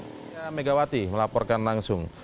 tidak ada megawati melaporkan langsung